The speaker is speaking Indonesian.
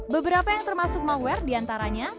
beberapa yang termasuk malware diantaranya